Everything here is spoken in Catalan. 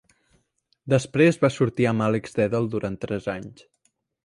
Després va sortir amb Alex Dellal durant tres anys.